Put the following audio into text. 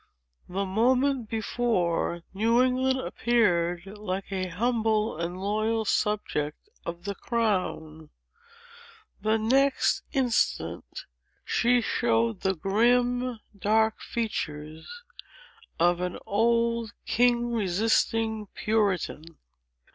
The moment before, New England appeared like an humble and loyal subject of the crown; the next instant, she showed the grim, dark features of an old king resisting Puritan."